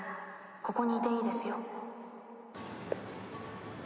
ここにいていいですよ。